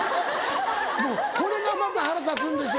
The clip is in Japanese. もうこれがまた腹立つんですよ。